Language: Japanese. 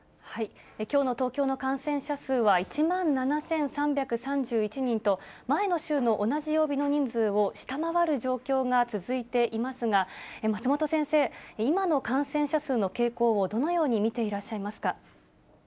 きょうの東京の感染者数は１万７３３１人と前の週の同じ曜日の人数を下回る状況が続いていますが、松本先生、今の感染者数の傾向をどのように見ていらっしゃいますか。